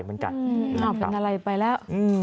มันเป็นอะไรไปแล้ว